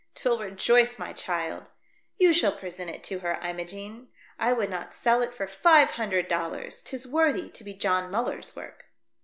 'Twill rejoice my child ; you shall present it to her, Imogene. I would not sell it for five hundred dollars ; 'tis worthy to be John Muller's work."